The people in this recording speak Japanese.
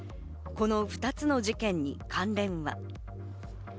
この２つの事件に関連は？